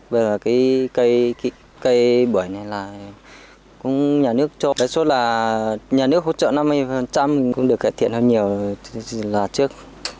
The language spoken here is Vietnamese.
bây giờ cái cây bưởi này là cũng nhà nước cho đấy số là nhà nước hỗ trợ năm mươi cũng được cải thiện hơn nhiều là trước